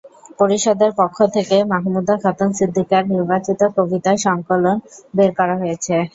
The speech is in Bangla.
পরিষদের পক্ষ থেকে মাহমুদা খাতুন সিদ্দিকার নির্বাচিত কবিতা সংকলন বের করা হয়েছে।